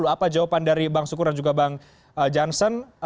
apa jawaban dari bang sukur dan juga bang jansen